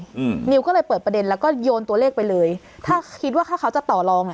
อืมนิวก็เลยเปิดประเด็นแล้วก็โยนตัวเลขไปเลยถ้าคิดว่าถ้าเขาจะต่อลองอ่ะ